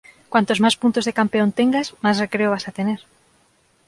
Cuantos más puntos de campeón tengas, mas recreo vas a tener.